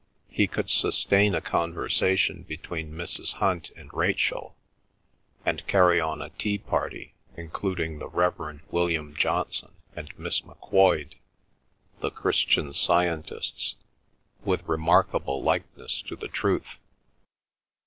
He could sustain a conversation between Mrs. Hunt and Rachel, and carry on a tea party including the Rev. William Johnson and Miss Macquoid, the Christian Scientists, with remarkable likeness to the truth.